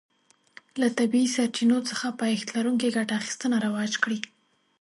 له طبیعي سرچینو څخه پایښت لرونکې ګټه اخیستنه رواج کړي.